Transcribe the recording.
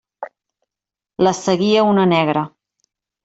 Les seguia una negra.